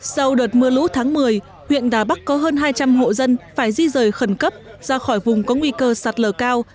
sau đợt mưa lũ tháng một mươi huyện đà bắc có hơn hai trăm linh hộ dân phải di rời khẩn cấp ra khỏi vùng có nguy cơ sạt lở cao